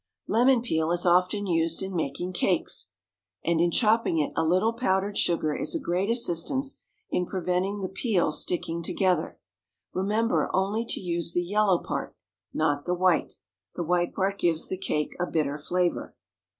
Lemon peel is often used in making cakes, and in chopping it a little powdered sugar is a great assistance in preventing the peel sticking together. Remember only to use the yellow part, not the white. The white part gives the cake a bitter flavour.